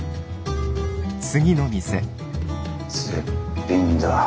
絶品だ。